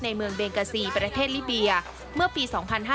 ในเมืองเบงกาซีประเทศลิเบียเมื่อปี๒๕๕๙